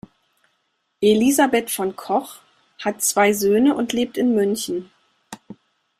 Elisabeth von Koch hat zwei Söhne und lebt in München.